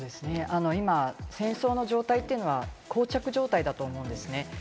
今、戦争の状態というのはこう着状態だと思うんですね。